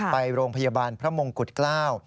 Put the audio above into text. ไปโรงพยาบาลพระมงกุฎเกล้า